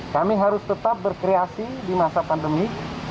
kami harus tetap berkreasi di masa pandemi